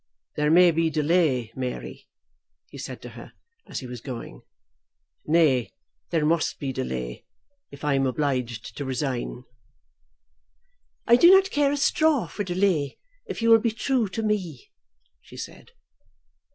"There may be delay, Mary," he said to her as he was going; "nay, there must be delay, if I am obliged to resign." "I do not care a straw for delay if you will be true to me," she said.